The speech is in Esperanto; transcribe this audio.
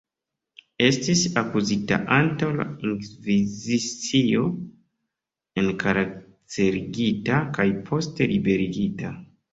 Estis akuzita antaŭ la Inkvizicio, enkarcerigita kaj poste liberigita.